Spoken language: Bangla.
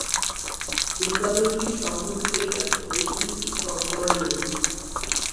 বিদ্যালয়টির সম্মুখে আছে ঐতিহাসিক কনভয় রোড।